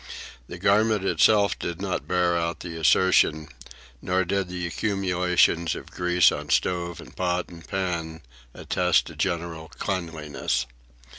The garment itself did not bear out the assertion, nor did the accumulations of grease on stove and pot and pan attest a general cleanliness.